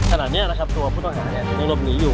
ขนาดเนี่ยนะครับตัวผู้ต้องหาเนี่ยต้องรบหนีอยู่